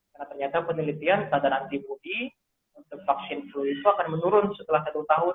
karena ternyata penelitian keadaan antibody untuk vaksin influenza akan menurun setelah satu tahun